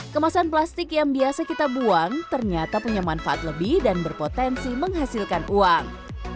kemasan plastik yang biasa kita buang ternyata punya manfaat lebih dan berpotensi menghasilkan uang